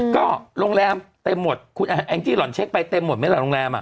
ก็โรงแรมเต็มหมดคุณแองจี้หล่อนเช็คไปเต็มหมดไหมล่ะโรงแรม